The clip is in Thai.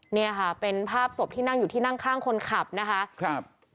เนี่ยค่ะเป็นภาพศพที่นั่งอยู่ที่นั่งข้างคนขับนะคะครับ